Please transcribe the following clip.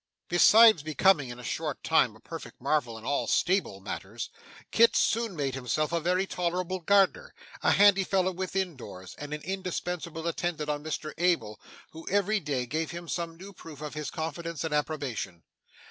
Besides becoming in a short time a perfect marvel in all stable matters, Kit soon made himself a very tolerable gardener, a handy fellow within doors, and an indispensable attendant on Mr Abel, who every day gave him some new proof of his confidence and approbation.